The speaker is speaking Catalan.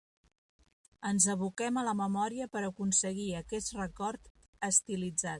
Ens aboquem a la memòria per aconseguir aquest record estilitzat.